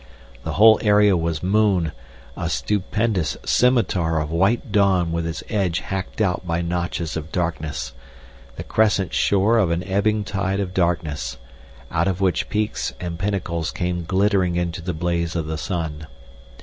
The whole area was moon, a stupendous scimitar of white dawn with its edge hacked out by notches of darkness, the crescent shore of an ebbing tide of darkness, out of which peaks and pinnacles came glittering into the blaze of the sun.